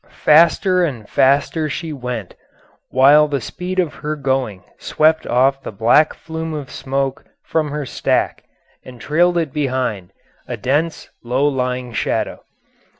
Faster and faster she went, while the speed of her going swept off the black flume of smoke from her stack and trailed it behind, a dense, low lying shadow.